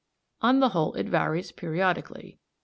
On the whole it varies periodically.